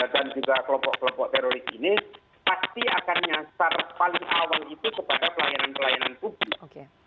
dan juga kelompok kelompok teroris ini pasti akan nyasar paling awal itu kepada pelayanan pelayanan publik